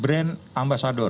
pertama menjadi brand ambasador